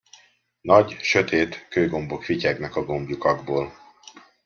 Nagy, sötét kőgombok fityegnek a gomblyukakból.